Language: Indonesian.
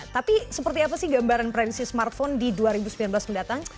tapi seperti apa sih gambaran prediksi smartphone di dua ribu sembilan belas mendatang